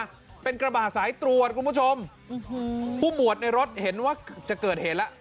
เป็นกระบาดสายตรวจคุณผู้ชมผู้หมวดในรถเห็นว่าจะเกิดเหตุแล้ว